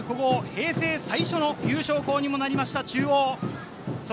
平成最初の優勝校にもなりました、中央。